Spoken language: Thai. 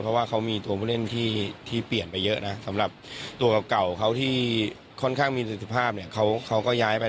เพราะว่าเขามีตัวผู้เล่นที่เปลี่ยนไปเยอะนะสำหรับตัวเก่าเขาที่ค่อนข้างมีสิทธิภาพเนี่ยเขาก็ย้ายไป